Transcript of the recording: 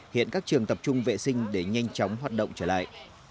hiện các trường tập trung vệ sinh để nhanh chóng hoạt động trở lại